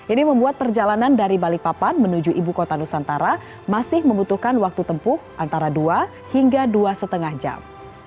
ini membuat perjalanan dari balikpapan menuju ibu kota nusantara masih membutuhkan waktu tempuh antara dua hingga dua lima jam